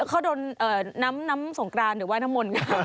เขาโดนน้ำสงกรานหรือว่าน้ำมนต์ค่ะ